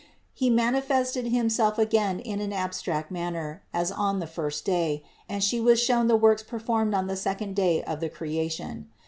He manifested Himself again in an abstractive manner as on the first day, and She was shown the works performed on the second day of the creation.